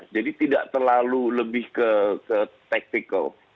jadi tidak terlalu lebih ke tactical